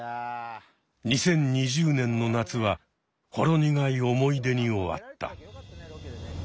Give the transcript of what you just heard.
２０２０年の夏はほろ苦い思い出に終わった。